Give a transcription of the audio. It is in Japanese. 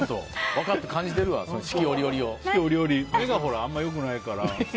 分かって感じてるわ目があんまり良くないから。